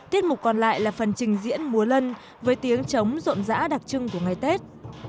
tiết mục còn lại là phần trình diễn múa lân với tiếng chống rộn rã đặc trưng của ngày tết